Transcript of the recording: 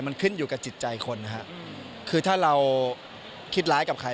มันขึ้นอยู่กับจิตใจคนนะฮะคือถ้าเราคิดร้ายกับใคร